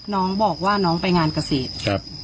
น้องบอกว่าน้องไปงานเกษตรครับ